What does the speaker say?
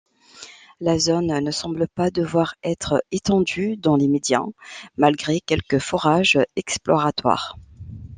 La zone ne semble pas devoir être étendue dans l'immédiat malgré quelques forages exploratoires.